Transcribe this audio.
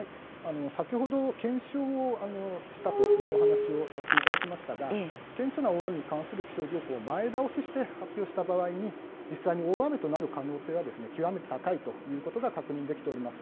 先ほど検証をしたというお話をさせていただきましたが、顕著な大雨に関する気象情報を前倒しして発表した場合に、実際に大雨となる可能性は極めて高いということが確認できております。